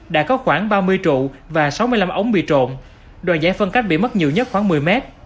đã có khoảng ba mươi trụ và sáu mươi năm ống bị trộn đoàn giải phân cách bị mất nhiều nhất khoảng một mươi mét